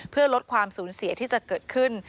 เพื่อลดความสูญเสียที่จะเกิดขึ้น